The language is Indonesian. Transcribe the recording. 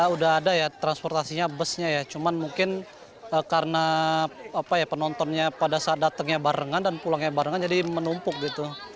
udah ada ya transportasinya busnya ya cuman mungkin karena penontonnya pada saat datangnya barengan dan pulangnya barengan jadi menumpuk gitu